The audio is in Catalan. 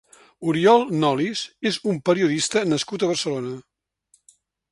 Oriol Nolis és un periodista nascut a Barcelona.